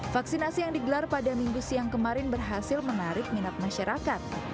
vaksinasi yang digelar pada minggu siang kemarin berhasil menarik minat masyarakat